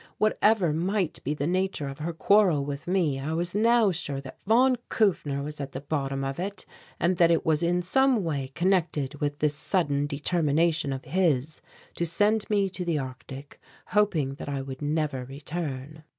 Whatever might be the nature of her quarrel with me I was now sure that von Kufner was at the bottom of it, and that it was in some way connected with this sudden determination of his to send me to the Arctic, hoping that I would never return.